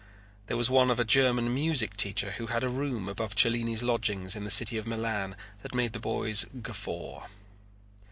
There was one of a German music teacher who had a room above Cellini's lodgings in the city of Milan that made the boys guffaw.